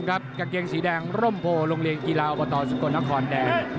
เจอที่ด้านผู้ชมครับกับเกียงสีแดงร่มโพโรงเรียนกีฬาอบอตสุโกนครแดง